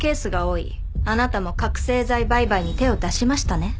あなたも覚醒剤売買に手を出しましたね。